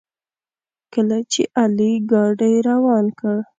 کله چې علي ګاډي روان کړ.